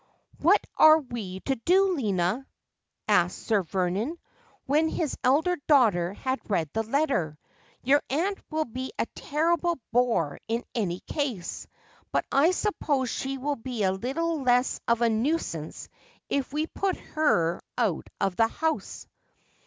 'What are we to do, Lina?' asked Sir Vernon, when his elder daughter had read the letter ;' your aunt will be a terrible bore in any case, but I suppose she will be a little less of a nuis ance if we put her out of the house.'